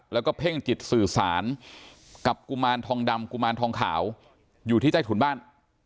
แล้วก็เพ่งจิตสื่อสารกับกุมารทองดำกุมารทองขาวอยู่ที่ใต้ถุนบ้าน